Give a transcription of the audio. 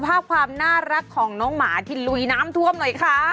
ภาพความน่ารักของน้องหมาที่ลุยน้ำท่วมหน่อยค่ะ